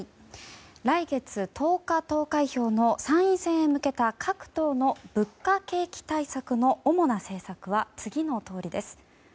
来月１０日、投開票の参院選へ向けた各党の物価・景気対策の主な政策は次のとおりです。